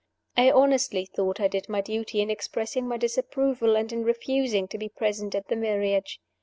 I honestly thought I did my duty in expressing my disapproval, and in refusing to be present at the marriage.